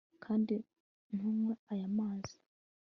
kandi ntunywe aya mazi